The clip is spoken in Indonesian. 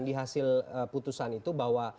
di hasil putusan itu bahwa